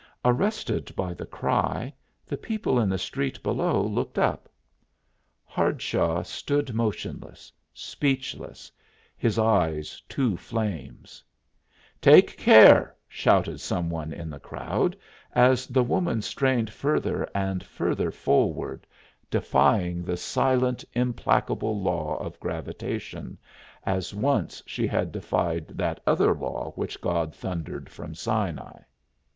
Arrested by the cry, the people in the street below looked up. Hardshaw stood motionless, speechless, his eyes two flames. "Take care!" shouted some one in the crowd, as the woman strained further and further forward, defying the silent, implacable law of gravitation, as once she had defied that other law which God thundered from Sinai.